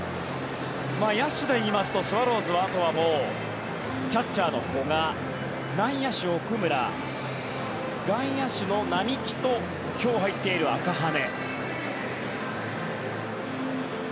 野手でいいますとスワローズはあとはもう、キャッチャーの古賀内野手、奥村外野手の並木と今日入っている赤羽。